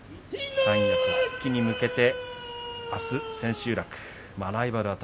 三役復帰に向けてあす千秋楽。